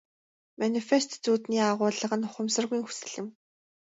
Манифест зүүдний агуулга нь ухамсаргүйн хүсэл юм.